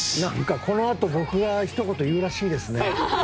このあと僕がひと言言うらしいですね。